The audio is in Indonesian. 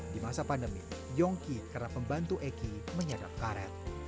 di masa pandemi yongki kerap membantu eki menyadap karet